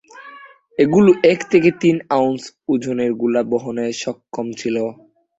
এগুলো এক থেকে তিন আউন্স ওজনের গোলা বহনে সক্ষম ছিল।